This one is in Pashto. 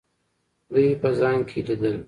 دوی په ځان کې لیدل.